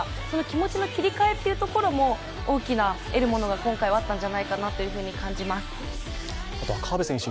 その気持ちの切り替えも大きな得るものが今回はあったんじゃないかなと感じます。